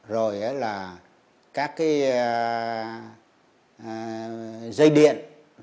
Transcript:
rồi là các cái dây điện